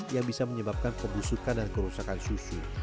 yang bisa menyebabkan pembusukan dan kerusakan susu